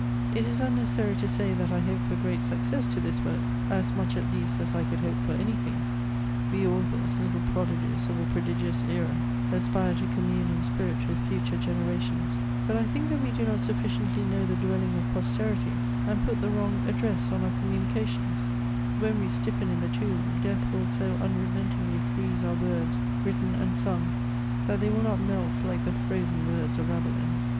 It is unnecessary to say that I hoped for great success to this work, as much at least as I could hope for any thing ; we authors, little prodigies of a pro digious era, aspire to commune in spirit with future genera tions ; but I think that we do not sufficiently know the dwelling of posterity, and put the wrong address on our communications^ When we stiffen in the tomb, death will so unrelentingly freeze our words, written and sung, that they will not melt like the frozen words of Rabelais.